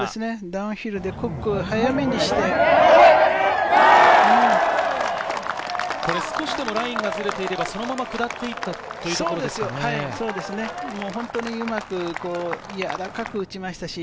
ダウンヒルでコックを速少しでもラインがずれていれば、そのまま下っていくというところでしたね。